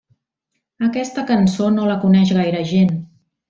Aquesta cançó no la coneix gaire gent.